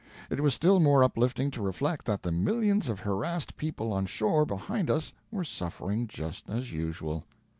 It was still more uplifting to reflect that the millions of harassed people on shore behind us were suffering just as usual.